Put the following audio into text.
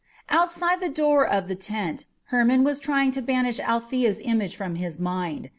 Outside the door of the tent Hermon was trying to banish Althea's image from his mind.